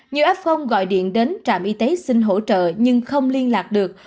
nhiều f gọi điện đến trạm y tế xin hỗ trợ nhưng không liên lạc được